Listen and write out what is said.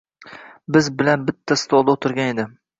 Biz bilan bitta stolda oʻtirgan edi.